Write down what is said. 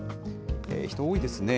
人多いですね。